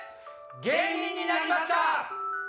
芸人になりました。